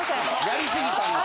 やり過ぎたのか。